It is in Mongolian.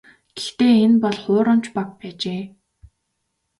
Гэхдээ энэ бол хуурамч баг байжээ.